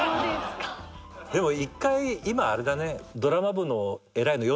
でも一回今あれだね。